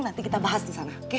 nanti kita bahas disana